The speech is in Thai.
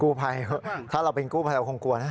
กูภัยถ้าเป็นกูภัยเราคงกลัวนะ